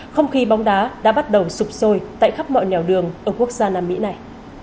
không khí bóng đá đã bắt đầu sụp sôi tại khắp mọi nẻo đường ở quốc gia nam mỹ này